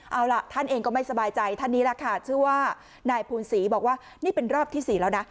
เอาล่ะท่านเองก็ไม่สบายใจท่านนี้แหละค่ะชื่อว่านายภูนศรีบอกว่านี่เป็นรอบที่๔แล้วนะ